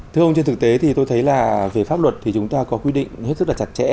thưa ông trên thực tế thì tôi thấy là về pháp luật thì chúng ta có quy định hết sức là chặt chẽ